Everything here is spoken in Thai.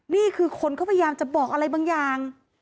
นี่คือคนเขาพยายามจะบอกอะไรบางอย่าง